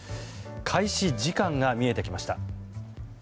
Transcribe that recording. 開始時間が見えてきました。